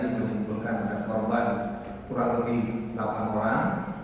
yang tadi menimbulkan korban kurang lebih delapan orang